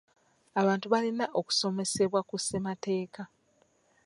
Abantu balina okusomesebwa ku ssemateeka.